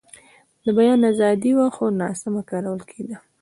بیان ازادي وه، خو ناسمه کارول کېده.